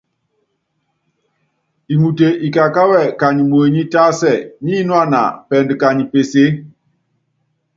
Iŋute ikakáwɛ kányi muenyí tásɛ, nínuána pɛɛndu kanyi pesèe.